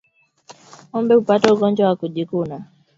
Ngombe hupata ugonjwa wa kujikuna